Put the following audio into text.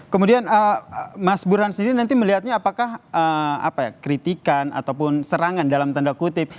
kemudian mas burhan sendiri nanti melihatnya apakah kritikan ataupun serangan dalam tanda kutip